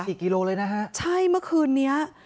กิโลเลยนะฮะใช่เมื่อคืนนี้